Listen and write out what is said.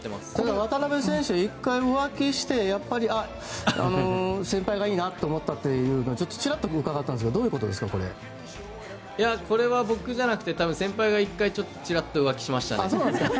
渡辺選手、１回浮気してあ、やっぱり先輩がいいなって思ったとちらっと伺ったんですがこれは、僕じゃなくて先輩が１回ちらっと浮気しましたね。